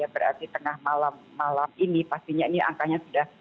berarti tengah malam ini pastinya ini angkanya sudah